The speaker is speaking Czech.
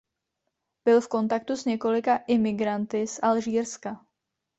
Byl v kontaktu s několika imigranty z Alžírska.